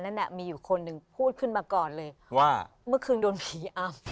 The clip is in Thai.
นั่นน่ะมีอยู่คนหนึ่งพูดขึ้นมาก่อนเลยว่าเมื่อคืนโดนผีอำ